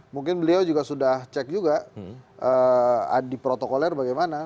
mungkin beliau juga sudah cek juga di protokoler bagaimana